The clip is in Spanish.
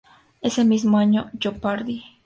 Ese mismo año, "Jeopardy!